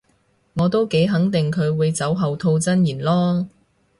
我都幾肯定佢會酒後吐真言囉